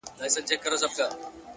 خير دی _ دى كه اوسيدونكى ستا د ښار دى _